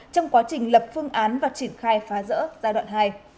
trong quá trình lập phương án và triển khai phá rỡ giai đoạn hai